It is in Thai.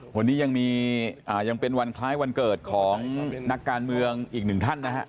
วันนี้ยังเป็นวันคล้ายวันเกิดของนักการเมืองอีกหนึ่งท่านนะฮะ